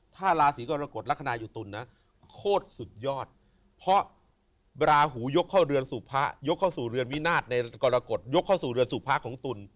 ถ้าราศีกรกฎลักษณะอยู่ตุลนะโคตรสุดยอดเพราะราหูยกเข้าเรือนสู่พระยกเข้าสู่เรือนวินาศในกรกฎยกเข้าสู่เรือนสู่พระของตุล